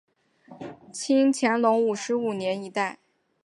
清乾隆五十五年一带。